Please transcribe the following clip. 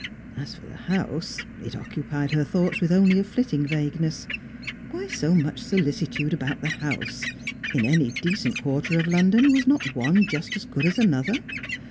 As for the house, it occupied her thoughts with only a flitting vagueness. Why so much solicitude about the house? In any decent quarter of London, was not one just as good as another?